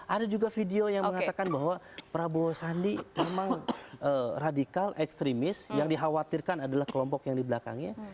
ada juga video yang mengatakan bahwa prabowo sandi memang radikal ekstremis yang dikhawatirkan adalah kelompok yang di belakangnya